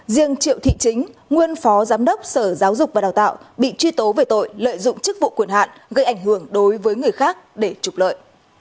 riêng triệu thị chính nguyên phó giám đốc sở giáo dục và đào tạo bị truy tố về tội lợi dụng chức vụ quyền hạn gây ảnh hưởng đối với người khác để trục lợi